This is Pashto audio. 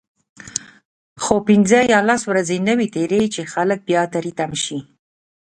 خو پنځه یا لس ورځې نه وي تیرې چې خلک بیا تری تم شي.